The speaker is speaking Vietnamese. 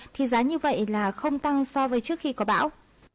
thì giá như vậy là không tăng so với trước khi có bão